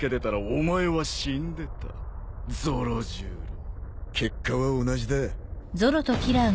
結果は同じだ。